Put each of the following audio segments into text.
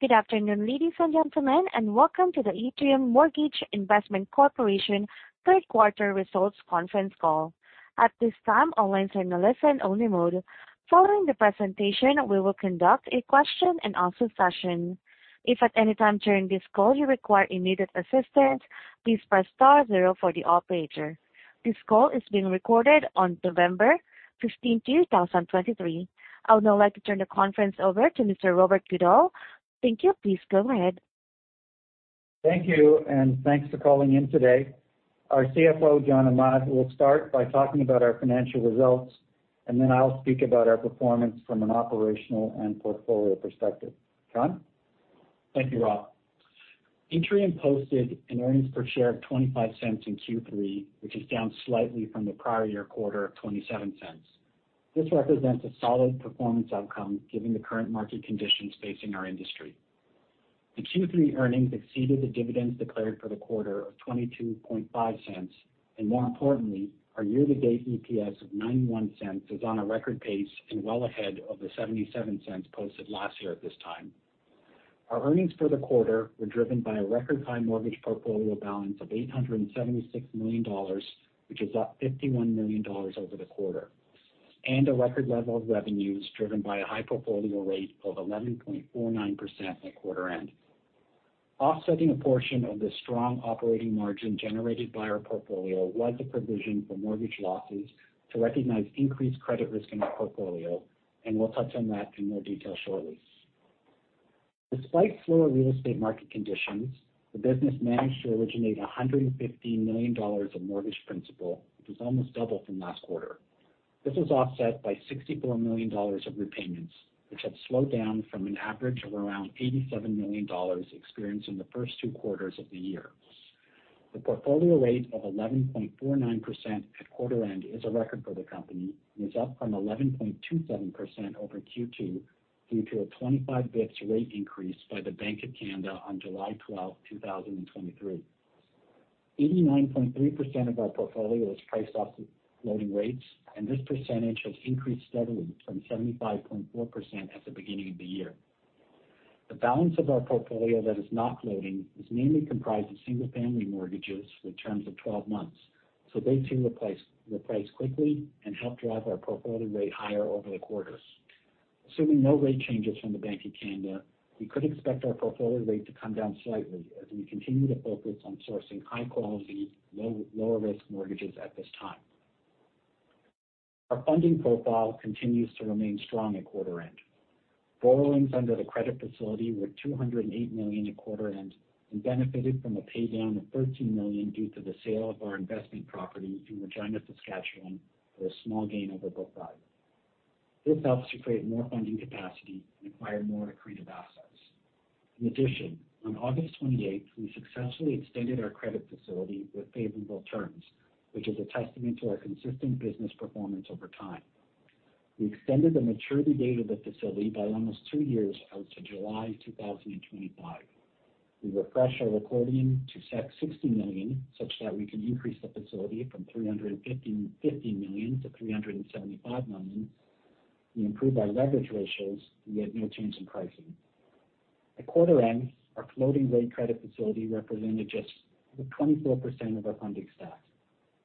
Good afternoon, ladies and gentlemen, and welcome to the Atrium Mortgage Investment Corporation third quarter results conference call. At this time, all lines are in a listen-only mode. Following the presentation, we will conduct a question-and-answer session. If at any time during this call you require immediate assistance, please press star zero for the operator. This call is being recorded on November fifteenth, two thousand and twenty-three. I would now like to turn the conference over to Mr. Robert Goodall. Thank you. Please go ahead. Thank you, and thanks for calling in today. Our CFO, John Ahmad, will start by talking about our financial results, and then I'll speak about our performance from an operational and portfolio perspective. John? Thank you, Rob. Atrium posted an earnings per share of 0.25 in Q3, which is down slightly from the prior year quarter of 0.27. This represents a solid performance outcome, given the current market conditions facing our industry. The Q3 earnings exceeded the dividends declared for the quarter of 0.225, and more importantly, our year-to-date EPS of 0.91 is on a record pace and well ahead of the 0.77 posted last year at this time. Our earnings for the quarter were driven by a record-high mortgage portfolio balance of 876 million dollars, which is up 51 million dollars over the quarter, and a record level of revenues, driven by a high portfolio rate of 11.49% at quarter end. Offsetting a portion of the strong operating margin generated by our portfolio was a provision for mortgage losses to recognize increased credit risk in our portfolio, and we'll touch on that in more detail shortly. Despite slower real estate market conditions, the business managed to originate 150 million dollars of mortgage principal, which is almost double from last quarter. This was offset by 64 million dollars of repayments, which have slowed down from an average of around 87 million dollars experienced in the first two quarters of the year. The portfolio rate of 11.49% at quarter end is a record for the company and is up from 11.27% over Q2, due to a 25 basis points rate increase by the Bank of Canada on July 12, 2023. 89.3% of our portfolio is priced off floating rates, and this percentage has increased steadily from 75.4% at the beginning of the year. The balance of our portfolio that is not floating is mainly comprised of single-family mortgages with terms of 12 months, so they too reprice, reprice quickly and help drive our portfolio rate higher over the quarters. Assuming no rate changes from the Bank of Canada, we could expect our portfolio rate to come down slightly as we continue to focus on sourcing high quality, low-lower risk mortgages at this time. Our funding profile continues to remain strong at quarter end. Borrowings under the credit facility were 208 million at quarter end and benefited from a pay down of 13 million due to the sale of our investment property in Regina, Saskatchewan, for a small gain over book value. This helps to create more funding capacity and acquire more accretive assets. In addition, on August 28th, we successfully extended our credit facility with favorable terms, which is a testament to our consistent business performance over time. We extended the maturity date of the facility by almost 2 years out to July 2025. We refreshed our accordion to set 60 million, such that we can increase the facility from 350 million to 375 million. We improved our leverage ratios, and we had no change in pricing. At quarter end, our floating rate credit facility represented just 24% of our funding stack,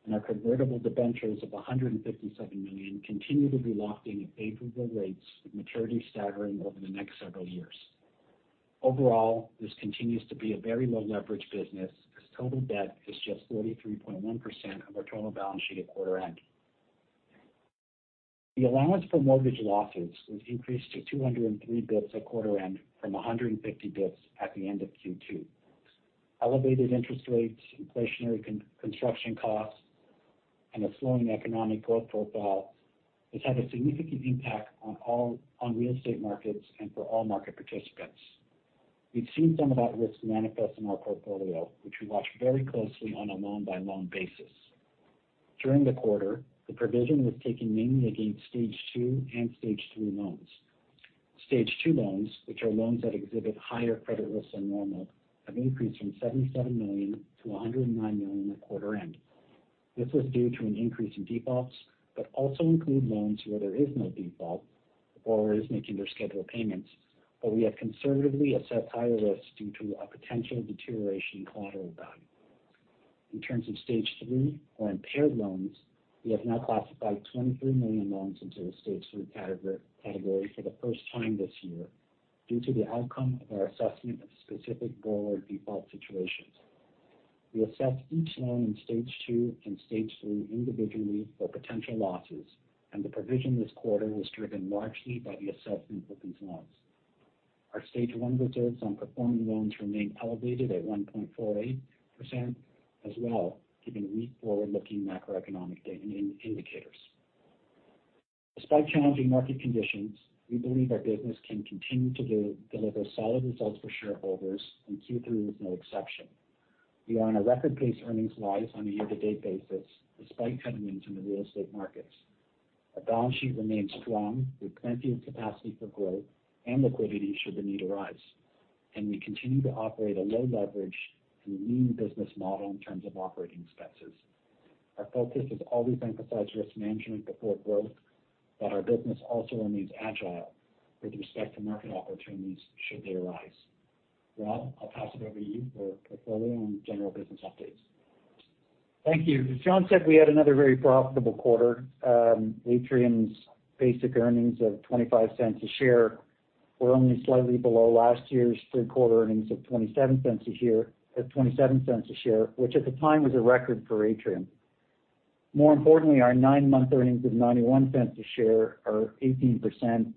and our convertible debentures of 157 million continue to be locked in at favorable rates, with maturity staggering over the next several years. Overall, this continues to be a very low-leverage business, as total debt is just 33.1% of our total balance sheet at quarter end. The allowance for mortgage losses was increased to 203 basis points at quarter end from 150 basis points at the end of Q2. Elevated interest rates, inflationary construction costs, and a slowing economic growth profile has had a significant impact on all real estate markets and for all market participants. We've seen some of that risk manifest in our portfolio, which we watch very closely on a loan-by-loan basis. During the quarter, the provision was taken mainly against Stage 2 and Stage 3 loans. Stage 2 loans, which are loans that exhibit higher credit risk than normal, have increased from 77 million to 109 million at quarter end. This was due to an increase in defaults, but also include loans where there is no default. The borrower is making their scheduled payments, but we have conservatively assessed higher risks due to a potential deterioration in collateral value. In terms of Stage 3, or impaired loans, we have now classified 23 million loans into the Stage 3 category for the first time this year, due to the outcome of our assessment of specific borrower default situations. We assess each loan in Stage 2 and Stage 3 individually for potential losses, and the provision this quarter was driven largely by the assessment for these loans. Our Stage 1 reserves on performing loans remain elevated at 1.48% as well, given weak forward-looking macroeconomic data indicators. Despite challenging market conditions, we believe our business can continue to deliver solid results for shareholders, and Q3 is no exception. We are on a record pace earnings-wise on a year-to-date basis, despite headwinds in the real estate markets. Our balance sheet remains strong, with plenty of capacity for growth and liquidity should the need arise, and we continue to operate a low leverage and lean business model in terms of operating expenses.... Our focus has always emphasized risk management before growth, but our business also remains agile with respect to market opportunities should they arise. Rob, I'll pass it over to you for portfolio and general business updates. Thank you. John said we had another very profitable quarter. Atrium's basic earnings of 0.25 a share were only slightly below last year's third quarter earnings of 0.27 a share, which at the time, was a record for Atrium. More importantly, our nine month earnings of 0.91 a share are 18%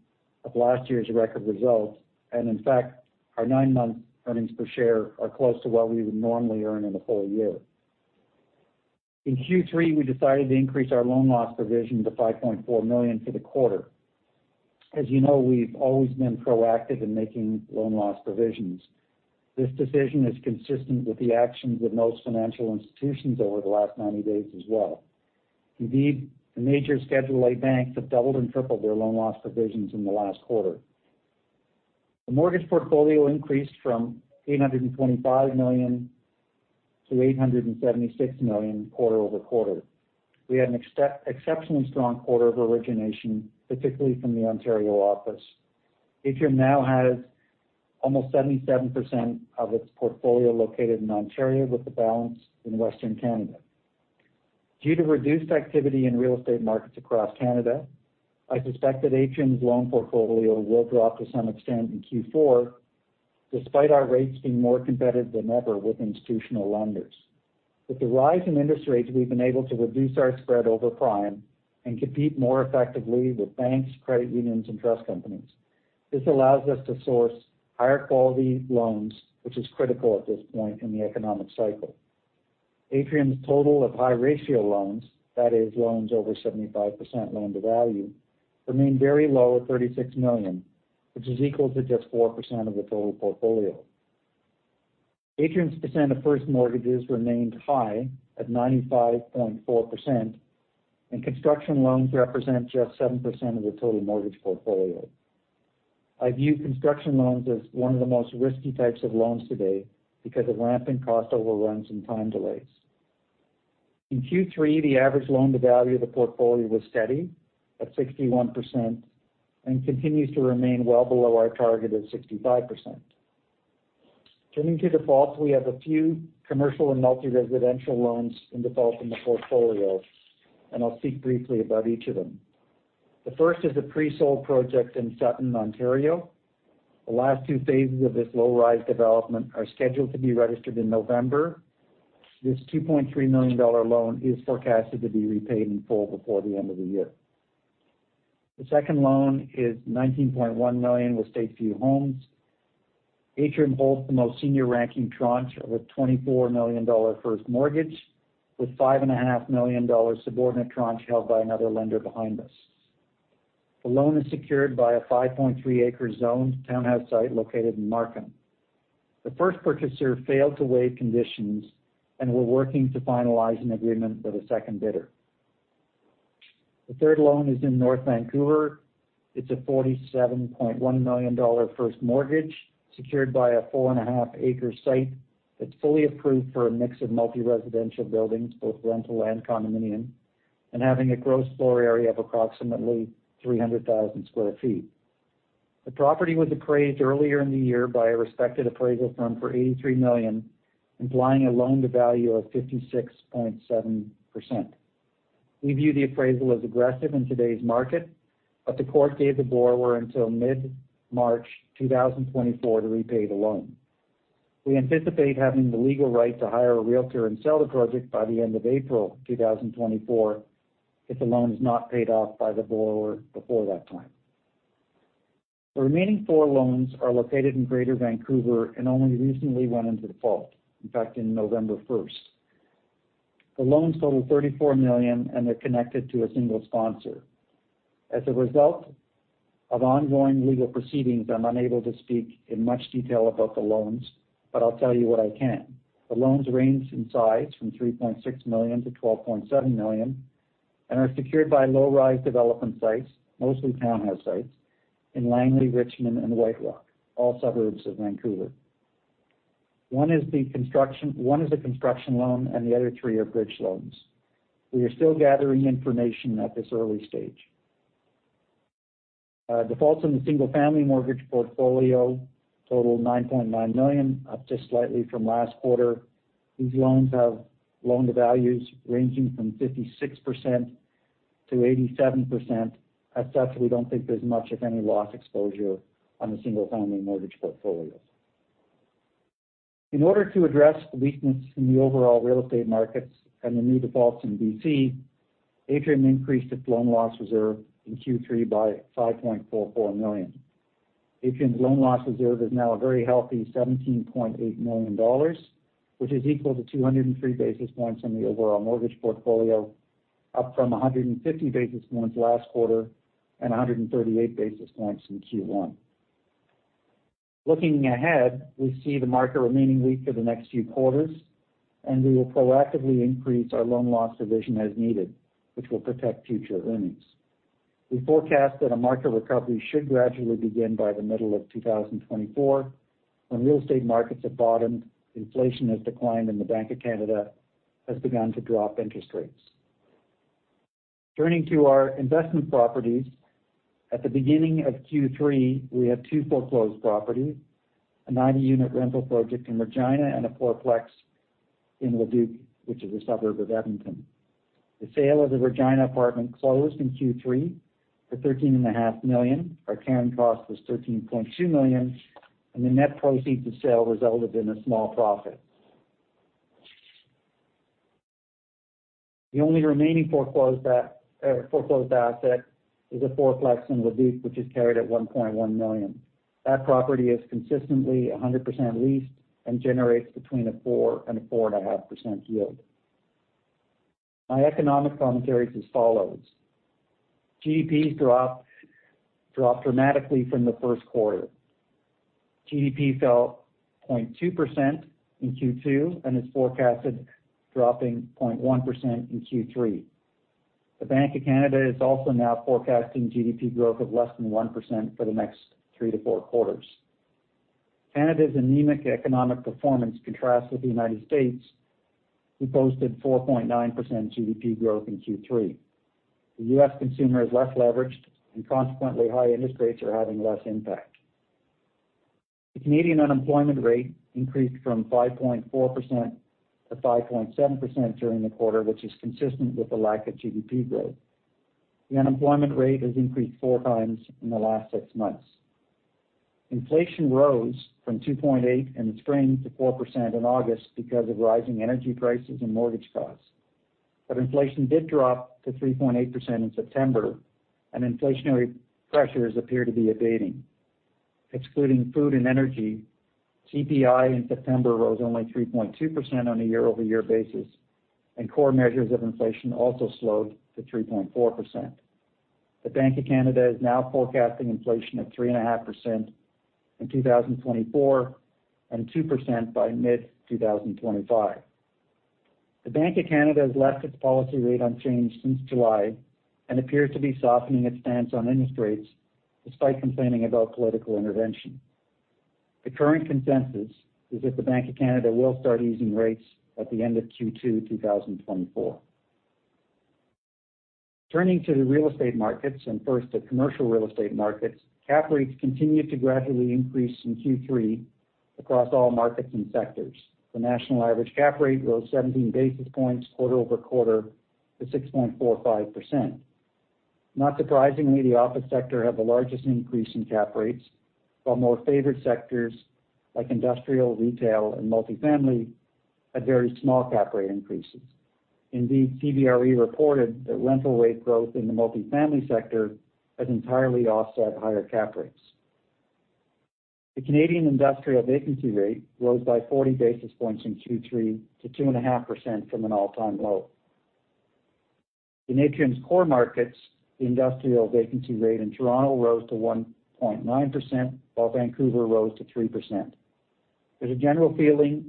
of last year's record results. And in fact, our nine month earnings per share are close to what we would normally earn in a full year. In Q3, we decided to increase our loan loss provision to 5.4 million for the quarter. As you know, we've always been proactive in making loan loss provisions. This decision is consistent with the actions of most financial institutions over the last 90 days as well. Indeed, the major Schedule A banks have doubled and tripled their loan loss provisions in the last quarter. The mortgage portfolio increased from 825 million to 876 million quarter-over-quarter. We had an exceptionally strong quarter of origination, particularly from the Ontario office. Atrium now has almost 77% of its portfolio located in Ontario, with the balance in Western Canada. Due to reduced activity in real estate markets across Canada, I suspect that Atrium's loan portfolio will drop to some extent in Q4, despite our rates being more competitive than ever with institutional lenders. With the rise in industry rates, we've been able to reduce our spread over prime and compete more effectively with banks, credit unions, and trust companies. This allows us to source higher-quality loans, which is critical at this point in the economic cycle. Atrium's total of high-ratio loans, that is, loans over 75% loan-to-value, remain very low at 36 million, which is equal to just 4% of the total portfolio. Atrium's percent of first mortgages remained high at 95.4%, and construction loans represent just 7% of the total mortgage portfolio. I view construction loans as one of the most risky types of loans today because of rampant cost overruns and time delays. In Q3, the average loan-to-value of the portfolio was steady at 61% and continues to remain well below our target of 65%. Turning to defaults, we have a few commercial and multi-residential loans in default in the portfolio, and I'll speak briefly about each of them. The first is a pre-sold project in Sutton, Ontario. The last two phases of this low-rise development are scheduled to be registered in November. This 2.3 million dollar loan is forecasted to be repaid in full before the end of the year. The second loan is 19.1 million with StateView Homes. Atrium holds the most senior-ranking tranche of a 24 million dollar first mortgage, with 5.5 million dollar subordinate tranche held by another lender behind us. The loan is secured by a 5.3-acre zoned townhouse site located in Markham. The first purchaser failed to waive conditions, and we're working to finalize an agreement with a second bidder. The third loan is in North Vancouver. It's a 47.1 million dollar first mortgage, secured by a 4.5-acre site that's fully approved for a mix of multi-residential buildings, both rental and condominium, and having a gross floor area of approximately 300,000 sq ft. The property was appraised earlier in the year by a respected appraisal firm for 83 million, implying a loan-to-value of 56.7%. We view the appraisal as aggressive in today's market, but the court gave the borrower until mid-March 2024 to repay the loan. We anticipate having the legal right to hire a realtor and sell the project by the end of April 2024, if the loan is not paid off by the borrower before that time. The remaining four loans are located in Greater Vancouver and only recently went into default, in fact, in November 1st. The loans total 34 million, and they're connected to a single sponsor. As a result of ongoing legal proceedings, I'm unable to speak in much detail about the loans, but I'll tell you what I can. The loans range in size from 3.6 million to 12.7 million and are secured by low-rise development sites, mostly townhouse sites in Langley, Richmond, and White Rock, all suburbs of Vancouver. One is a construction loan, and the other three are bridge loans. We are still gathering information at this early stage. Defaults in the single-family mortgage portfolio total 9.9 million, up just slightly from last quarter. These loans have loan-to-values ranging from 56%-87%. As such, we don't think there's much of any loss exposure on the single-family mortgage portfolio. In order to address the weakness in the overall real estate markets and the new defaults in BC, Atrium increased its loan loss reserve in Q3 by 5.44 million. Atrium's loan loss reserve is now a very healthy 17.8 million dollars, which is equal to 203 basis points on the overall mortgage portfolio, up from 150 basis points last quarter and 138 basis points in Q1. Looking ahead, we see the market remaining weak for the next few quarters, and we will proactively increase our loan loss provision as needed, which will protect future earnings.... We forecast that a market recovery should gradually begin by the middle of 2024, when real estate markets have bottomed, inflation has declined, and the Bank of Canada has begun to drop interest rates. Turning to our investment properties, at the beginning of Q3, we had two foreclosed properties, a 90-unit rental project in Regina and a fourplex in Leduc, which is a suburb of Edmonton. The sale of the Regina apartment closed in Q3 for 13.5 million. Our carrying cost was 13.2 million, and the net proceeds of sale resulted in a small profit. The only remaining foreclosed asset is a fourplex in Leduc, which is carried at 1.1 million. That property is consistently 100% leased and generates between a 4%-4.5% yield. My economic commentary is as follows: GDP dropped dramatically from the first quarter. GDP fell 0.2% in Q2 and is forecasted dropping 0.1% in Q3. The Bank of Canada is also now forecasting GDP growth of less than 1% for the next 3-4 quarters. Canada's anemic economic performance contrasts with the United States, who posted 4.9% GDP growth in Q3. The U.S. consumer is less leveraged, and consequently, high interest rates are having less impact. The Canadian unemployment rate increased from 5.4% to 5.7% during the quarter, which is consistent with the lack of GDP growth. The unemployment rate has increased 4 times in the last six months. Inflation rose from 2.8% in the spring to 4% in August because of rising energy prices and mortgage costs. But inflation did drop to 3.8% in September, and inflationary pressures appear to be abating. Excluding food and energy, CPI in September rose only 3.2% on a year-over-year basis, and core measures of inflation also slowed to 3.4%. The Bank of Canada is now forecasting inflation at 3.5% in 2024, and 2% by mid-2025. The Bank of Canada has left its policy rate unchanged since July and appears to be softening its stance on interest rates, despite complaining about political intervention. The current consensus is that the Bank of Canada will start easing rates at the end of Q2, 2024. Turning to the real estate markets, and first, the commercial real estate markets, cap rates continued to gradually increase in Q3 across all markets and sectors. The national average cap rate rose 17 basis points quarter-over-quarter to 6.45%. Not surprisingly, the office sector had the largest increase in cap rates, while more favored sectors like industrial, retail, and multifamily, had very small cap rate increases. Indeed, CBRE reported that rental rate growth in the multifamily sector has entirely offset higher cap rates. The Canadian industrial vacancy rate rose by 40 basis points in Q3 to 2.5% from an all-time low. In Atrium's core markets, the industrial vacancy rate in Toronto rose to 1.9%, while Vancouver rose to 3%. There's a general feeling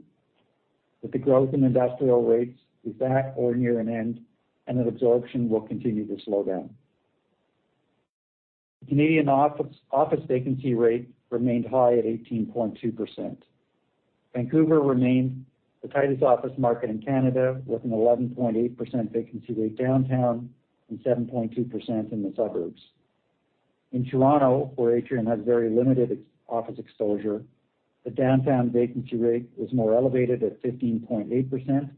that the growth in industrial rates is back or near an end, and that absorption will continue to slow down. The Canadian office vacancy rate remained high at 18.2%. Vancouver remained the tightest office market in Canada, with an 11.8% vacancy rate downtown and 7.2% in the suburbs. In Toronto, where Atrium has very limited office exposure, the downtown vacancy rate was more elevated at 15.8%,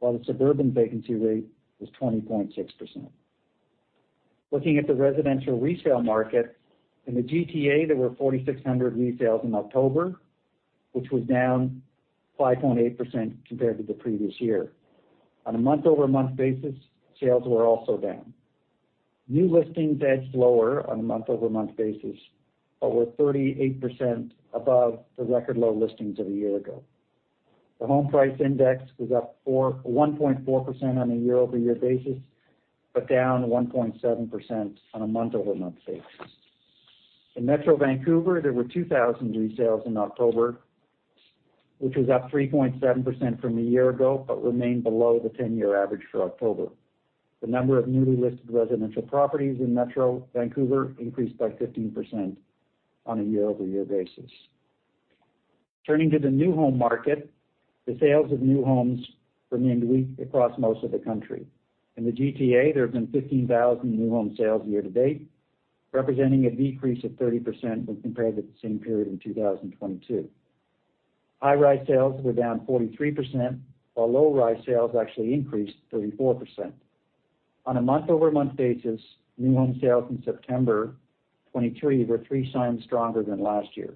while the suburban vacancy rate was 20.6%. Looking at the residential resale market, in the GTA, there were 4,600 resales in October, which was down 5.8% compared to the previous year. On a month-over-month basis, sales were also down. New listings edged lower on a month-over-month basis, but were 38% above the record-low listings of a year ago. The home price index was up 1.4% on a year-over-year basis, but down 1.7% on a month-over-month basis. In Metro Vancouver, there were 2,000 resales in October, which was up 3.7% from a year ago, but remained below the 10-year average for October. The number of newly listed residential properties in Metro Vancouver increased by 15% on a year-over-year basis. Turning to the new home market, the sales of new homes remained weak across most of the country. In the GTA, there have been 15,000 new home sales year to date, representing a decrease of 30% when compared with the same period in 2022. High-rise sales were down 43%, while low-rise sales actually increased 34%. On a month-over-month basis, new home sales in September 2023 were 3 times stronger than last year.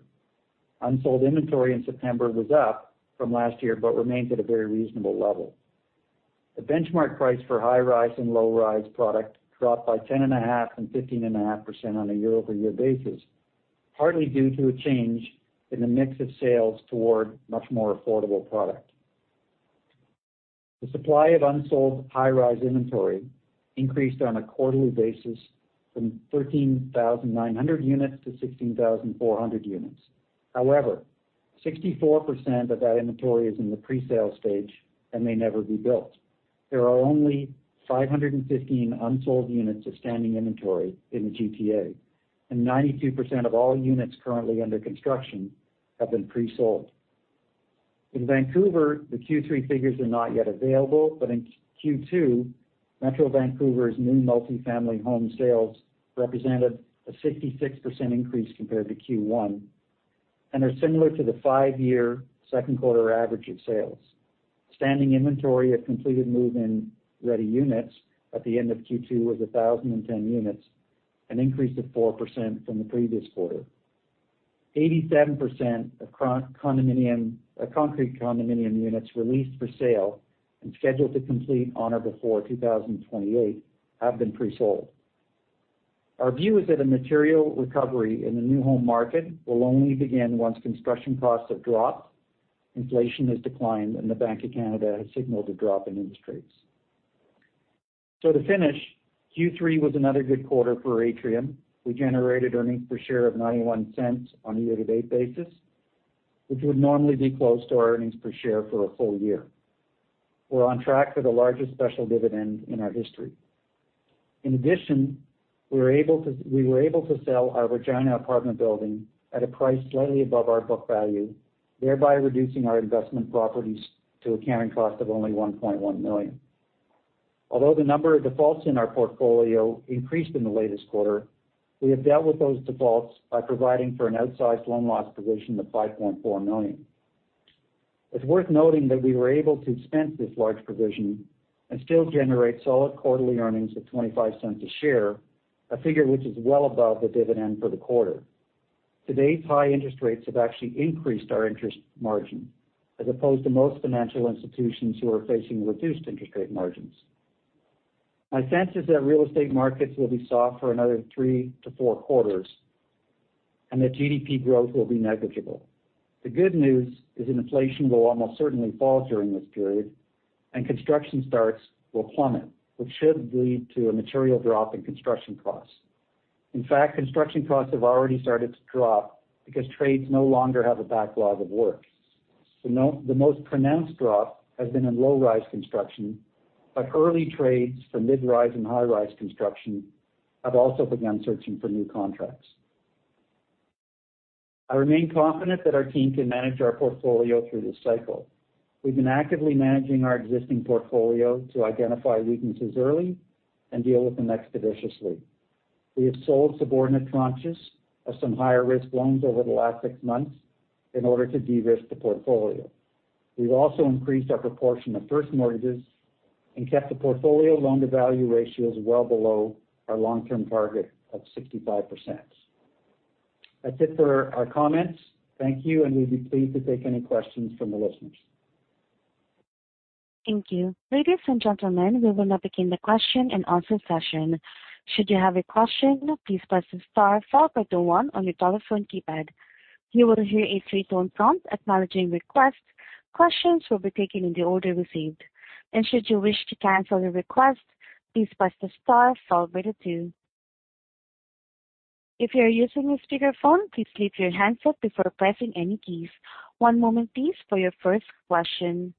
Unsold inventory in September was up from last year, but remains at a very reasonable level. The benchmark price for high-rise and low-rise product dropped by 10.5% and 15.5% on a year-over-year basis, partly due to a change in the mix of sales toward much more affordable product. The supply of unsold high-rise inventory increased on a quarterly basis from 13,900 units to 16,400 units. However-... 64% of that inventory is in the presale stage and may never be built. There are only 515 unsold units of standing inventory in the GTA, and 92% of all units currently under construction have been presold. In Vancouver, the Q3 figures are not yet available, but in Q2, Metro Vancouver's new multifamily home sales represented a 66% increase compared to Q1, and are similar to the five-year second quarter average of sales. Standing inventory of completed move-in-ready units at the end of Q2 was 1,010 units, an increase of 4% from the previous quarter. 87% of concrete condominium units released for sale and scheduled to complete on or before 2028 have been presold. Our view is that a material recovery in the new home market will only begin once construction costs have dropped, inflation has declined, and the Bank of Canada has signaled a drop in interest rates. So to finish, Q3 was another good quarter for Atrium. We generated earnings per share of 0.91 on a year-to-date basis, which would normally be close to our earnings per share for a full year. We're on track for the largest special dividend in our history. In addition, we were able to sell our Regina apartment building at a price slightly above our book value, thereby reducing our investment properties to a carrying cost of only 1.1 million. Although the number of defaults in our portfolio increased in the latest quarter, we have dealt with those defaults by providing for an outsized loan loss provision of 5.4 million. It's worth noting that we were able to expense this large provision and still generate solid quarterly earnings of 0.25 a share, a figure which is well above the dividend for the quarter. Today's high interest rates have actually increased our interest margin, as opposed to most financial institutions who are facing reduced interest rate margins. My sense is that real estate markets will be soft for another 3-4 quarters, and that GDP growth will be negligible. The good news is that inflation will almost certainly fall during this period, and construction starts will plummet, which should lead to a material drop in construction costs. In fact, construction costs have already started to drop because trades no longer have a backlog of work. The most pronounced drop has been in low-rise construction, but early trades for mid-rise and high-rise construction have also begun searching for new contracts. I remain confident that our team can manage our portfolio through this cycle. We've been actively managing our existing portfolio to identify weaknesses early and deal with them expeditiously. We have sold subordinate tranches of some higher-risk loans over the last six months in order to de-risk the portfolio. We've also increased our proportion of first mortgages and kept the portfolio loan-to-value ratios well below our long-term target of 65%. That's it for our comments. Thank you, and we'd be pleased to take any questions from the listeners. Thank you. Ladies and gentlemen, we will now begin the question-and-answer session. Should you have a question, please press star followed by the one on your telephone keypad. You will hear a three-tone prompt acknowledging request. Questions will be taken in the order received, and should you wish to cancel your request, please press the star followed by the two. If you are using a speakerphone, please lift your handset before pressing any keys. One moment please for your first question.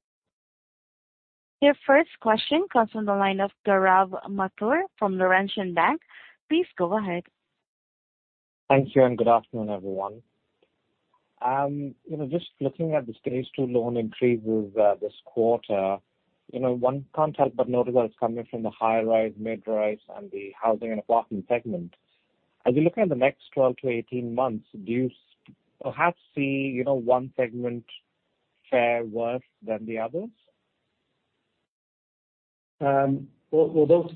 Your first question comes from the line of Gaurav Mathur from Laurentian Bank. Please go ahead. Thank you, and good afternoon, everyone. You know, just looking at the Stage 2 loan increases, this quarter, you know, one can't help but notice that it's coming from the high-rise, mid-rise, and the housing and apartment segment. As you look at the next 12-18 months, do you perhaps see, you know, one segment fare worse than the others? Well, those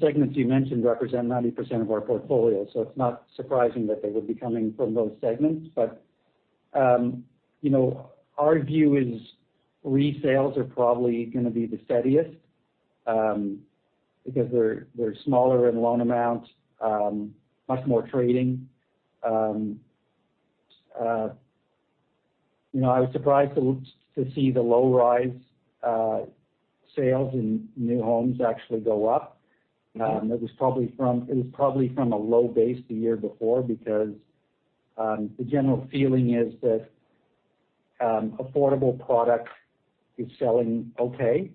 segments you mentioned represent 90% of our portfolio, so it's not surprising that they would be coming from those segments. But, you know, our view is resales are probably gonna be the steadiest, because they're smaller in loan amount, much more trading. You know, I was surprised to see the low-rise sales in new homes actually go up. It was probably from a low base the year before because the general feeling is that affordable product is selling okay,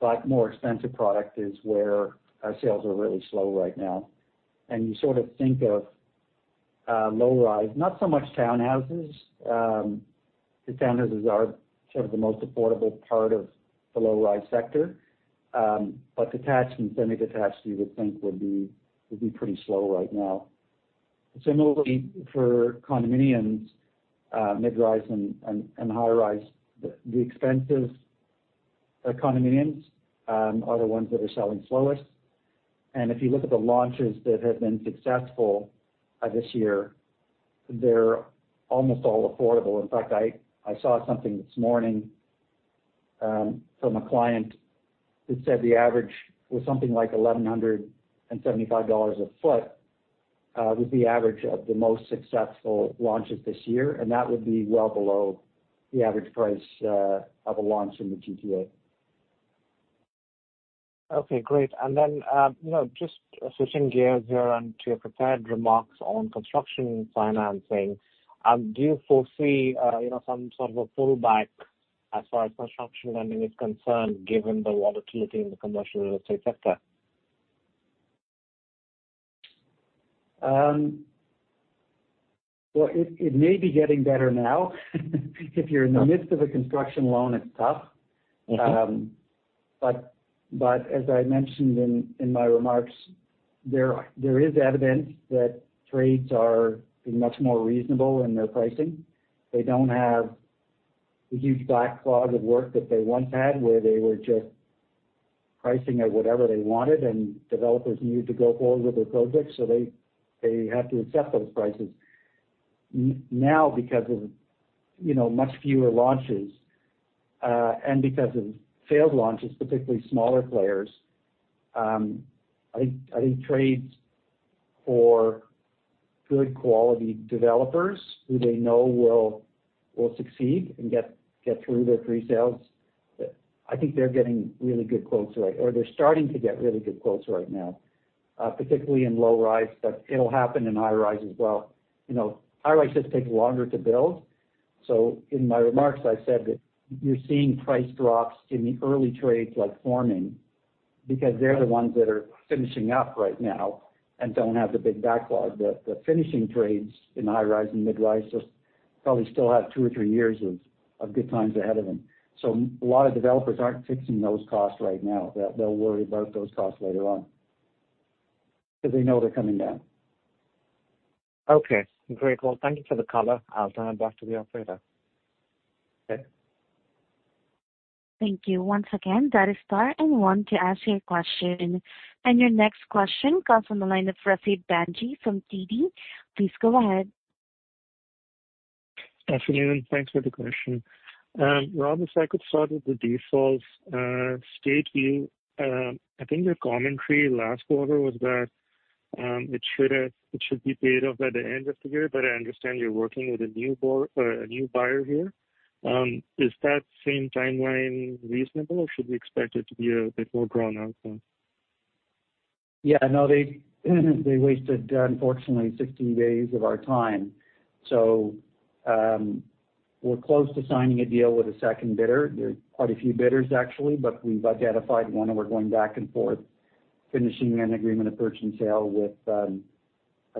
but more expensive product is where our sales are really slow right now. You sort of think of low-rise, not so much townhouses, the townhouses are sort of the most affordable part of the low-rise sector, but detached and semi-detached, you would think would be pretty slow right now. Similarly, for condominiums, mid-rise and high-rise, the expensive condominiums are the ones that are selling slowest. And if you look at the launches that have been successful this year, they're almost all affordable. In fact, I saw something this morning from a client that said the average was something like 1,175 dollars a foot, was the average of the most successful launches this year, and that would be well below the average price of a launch in the GTA. ... Okay, great. And then, you know, just switching gears here onto your prepared remarks on construction financing, do you foresee, you know, some sort of a pullback as far as construction lending is concerned, given the volatility in the commercial real estate sector? Well, it may be getting better now. If you're in the midst of a construction loan, it's tough. Mm-hmm. But as I mentioned in my remarks, there is evidence that trades are much more reasonable in their pricing. They don't have the huge backlog of work that they once had, where they were just pricing at whatever they wanted, and developers needed to go forward with their projects, so they have to accept those prices. Now, because of, you know, much fewer launches, and because of failed launches, particularly smaller players, I think trades for good quality developers who they know will succeed and get through their presales, I think they're getting really good quotes right now, particularly in low rise, but it'll happen in high rise as well. You know, high rise just takes longer to build. So in my remarks, I said that you're seeing price drops in the early trades, like, forming because they're the ones that are finishing up right now and don't have the big backlog. The finishing trades in high-rise and mid-rise just probably still have two or three years of good times ahead of them. So a lot of developers aren't fixing those costs right now. They'll worry about those costs later on. Because they know they're coming down. Okay, great. Well, thank you for the color. I'll turn it back to the operator. Okay. Thank you. Once again, that is star and one to ask your question. And your next question comes from the line of Rasib Bhanji from TD. Please go ahead. Good afternoon. Thanks for the question. Rob, if I could start with the defaults, StateView. I think your commentary last quarter was that it should be paid off by the end of the year, but I understand you're working with a new buyer here. Is that same timeline reasonable, or should we expect it to be a bit more drawn out than? Yeah, no, they, they wasted, unfortunately, 16 days of our time. So, we're close to signing a deal with a second bidder. There are quite a few bidders, actually, but we've identified one, and we're going back and forth, finishing an agreement of purchase and sale with a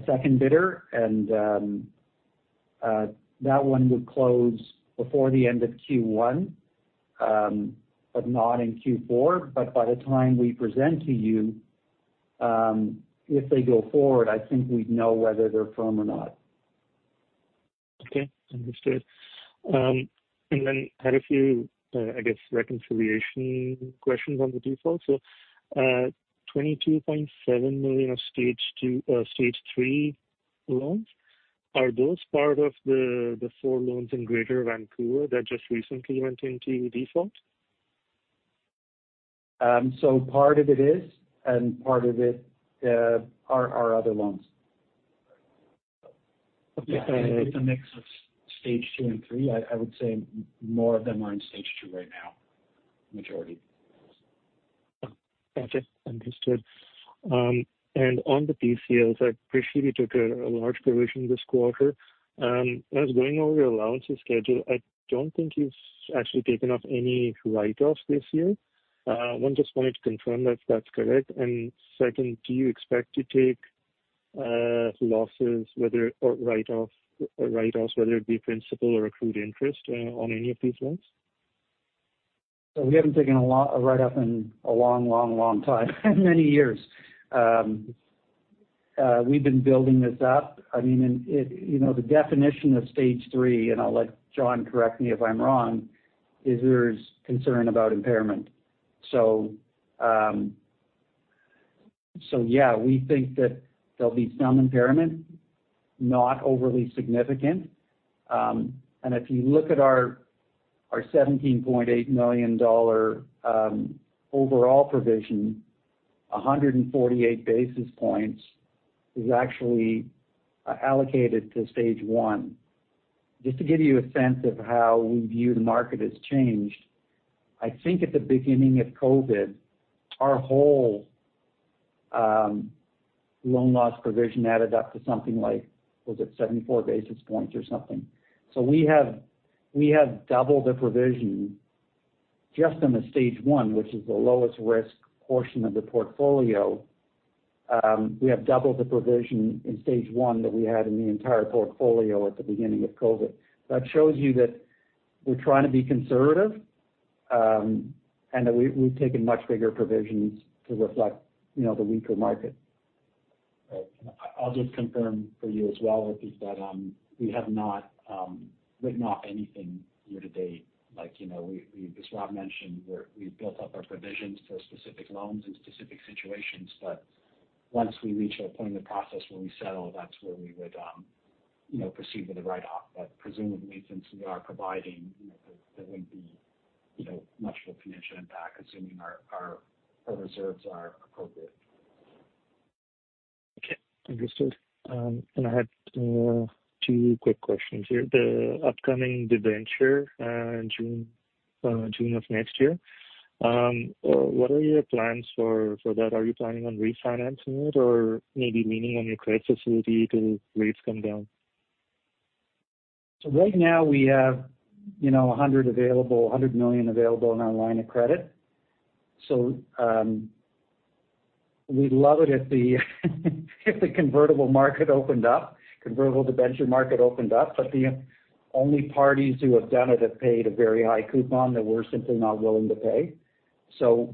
second bidder. And that one would close before the end of Q1, but not in Q4. But by the time we present to you, if they go forward, I think we'd know whether they're firm or not. Okay, understood. Then I had a few, I guess, reconciliation questions on the defaults. 22.7 million of Stage 2, Stage 3 loans, are those part of the four loans in Greater Vancouver that just recently went into default? Part of it is, and part of it, are our other loans. Okay. It's a mix of Stage 2 and three. I would say more of them are in Stage 2 right now. Majority. Gotcha. Understood. And on the PCLs, I appreciate you took a large provision this quarter. I was going over your allowances schedule. I don't think you've actually taken off any write-offs this year. One, just wanted to confirm that that's correct. And second, do you expect to take losses whether or write-offs, write-offs, whether it be principal or accrued interest on any of these loans? So we haven't taken a long write-off in a long, long, long time, many years. We've been building this up. I mean, You know, the definition of Stage 3, and I'll let John correct me if I'm wrong, is there's concern about impairment. So yeah, we think that there'll be some impairment, not overly significant. And if you look at our seventeen point eight million dollar overall provision, 148 basis points is actually allocated to Stage 1. Just to give you a sense of how we view the market has changed, I think at the beginning of COVID, our whole loan loss provision added up to something like, was it 74 basis points or something? So we have, we have doubled the provision just on the Stage 1, which is the lowest risk portion of the portfolio. We have doubled the provision in Stage 1 that we had in the entire portfolio at the beginning of COVID. That shows you that we're trying to be conservative, and that we've taken much bigger provisions to reflect, you know, the weaker market. Right. I'll just confirm for you as well, Rasib, that we have not written off anything year to date. Like, you know, we as Rob mentioned, we've built up our provisions for specific loans and specific situations, but once we reach a point in the process where we settle, that's where we would, you know, proceed with the write-off. But presumably, since we are providing, you know, there wouldn't be, you know, much of a financial impact, assuming our reserves are appropriate. Okay, understood. I had two quick questions here. The upcoming debenture in June of next year. What are your plans for that? Are you planning on refinancing it or maybe leaning on your credit facility till rates come down? So right now we have, you know, 100 million available in our line of credit. So, we'd love it if the, if the convertible market opened up, convertible debenture market opened up. But the only parties who have done it have paid a very high coupon that we're simply not willing to pay. So,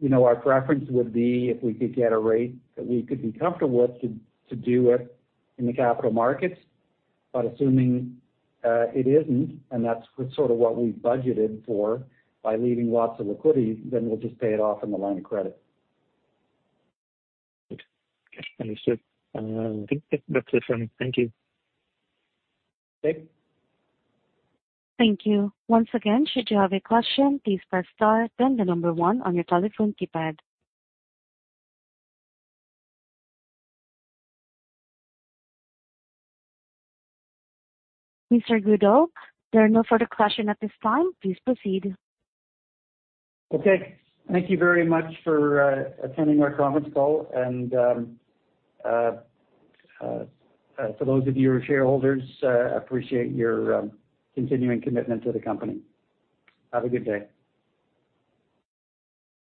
you know, our preference would be if we could get a rate that we could be comfortable with to, to do it in the capital markets. But assuming, it isn't, and that's sort of what we've budgeted for by leaving lots of liquidity, then we'll just pay it off in the line of credit. Good. Okay, understood. I think that's everything. Thank you. Okay. Thank you. Once again, should you have a question, please press star then 1 on your telephone keypad. Mr. Goodall, there are no further question at this time. Please proceed. Okay. Thank you very much for attending our conference call. And, for those of you who are shareholders, appreciate your continuing commitment to the company. Have a good day.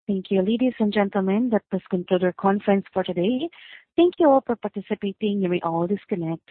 Thank you. Ladies and gentlemen, that does conclude our conference for today. Thank you all for participating. You may all disconnect.